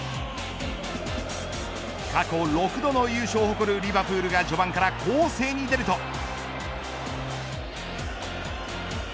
過去６度の優勝を誇るリヴァプールが序盤から攻勢に出ると。